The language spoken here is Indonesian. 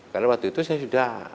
karena waktu itu saya sudah